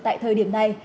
tại thời điểm này